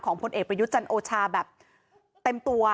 ของผลเอกประยุจรรย์โอชาแบบเต็มตัว